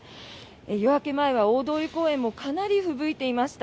夜明け前は大通公園もかなりふぶいていました。